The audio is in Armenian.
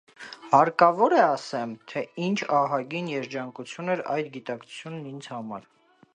Հարկավո՞ր է ասեմ, թե ի՛նչ ահագին երջանկություն էր այդ գիտակցությունն ինձ համար: